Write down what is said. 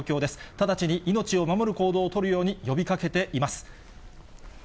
直ちに命を守る行動を取るように呼びかけています。